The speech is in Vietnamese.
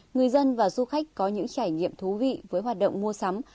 người dân và du khách có những trải nghiệm thú vị với hoạt động mua sắm